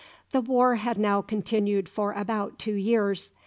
The war had now continued for about two years.